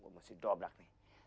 masih drop lagi